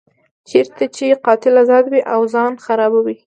چېرته چې قاتل ازاد وي او ځان خړوبوي.